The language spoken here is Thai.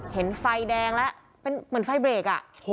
เห็นไฟแดงแล้วเป็นเหมือนไฟเบรก